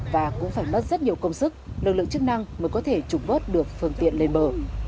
và cũng phải mất rất nhiều công sức lực lượng chức năng mới có thể trục vớt được phương tiện lên bờ